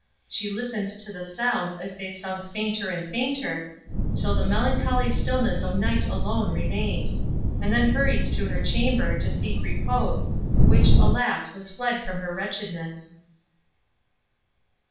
She listened to the sounds, as they sunk fainter and fainter, till the melancholy stillness of night alone remained; and then hurried to her chamber, to seek repose, which, alas! was fled from her wretchedness.